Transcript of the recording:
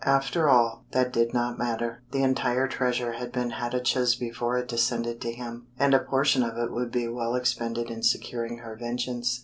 After all, that did not matter. The entire treasure had been Hatatcha's before it descended to him, and a portion of it would be well expended in securing her vengeance.